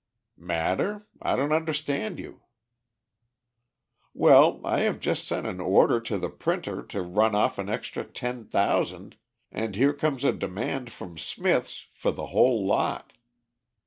"Matter? I don't understand you." "Well, I have just sent an order to the printer to run off an extra ten thousand, and here comes a demand from Smith's for the whole lot.